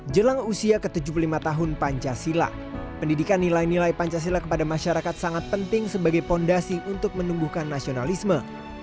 jelang usia ke tujuh puluh lima tahun pancasila pendidikan nilai nilai pancasila kepada masyarakat sangat penting sebagai fondasi untuk menumbuhkan nasionalisme